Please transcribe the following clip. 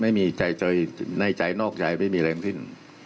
ไม่มีใจใจในใจนอกใจไม่มีอะไรขึ้น